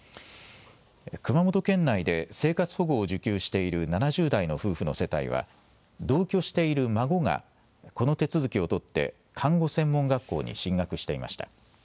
熊本県内で生活保護を受給している７０代の夫婦の世帯は同居している孫がこの手続きを取って看護専門学校に進学していました。